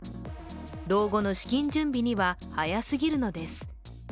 老後の資金準備には早すぎるのです。